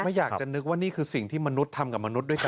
ไม่อยากจะนึกว่านี่คือสิ่งที่มนุษย์ทำกับมนุษย์ด้วยกัน